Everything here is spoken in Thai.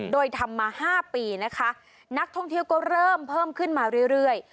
โดยทำมา๕ปีนะคะนักท่องเที่ยวก็เริ่มเพิ่มขึ้นมาเรื่อย